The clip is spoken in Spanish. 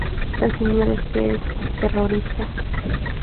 El señor es que es terrorista.